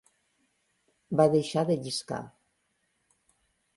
Va deixar de lliscar.